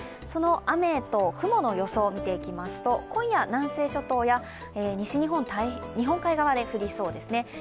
その雨と雲の予想を見ていきますと今夜、南西諸島や、西日本、日本海側で降りそうですね。